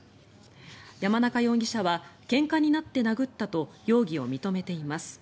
山中容疑者はけんかになって殴ったと容疑を認めています。